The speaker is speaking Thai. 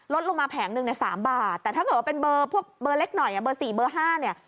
ลงมาแผงหนึ่งเนี่ย๓บาทแต่ถ้าเกิดว่าเป็นเบอร์พวกเบอร์เล็กหน่อยเบอร์๔เบอร์๕เนี่ย